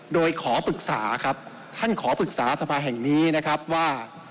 โดยขอปรึกษาครับท่านขอปรึกษาสภาแห่งนี้นะครับว่า